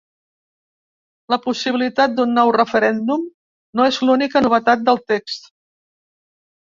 La possibilitat d’un nou referèndum no és l’única novetat del text.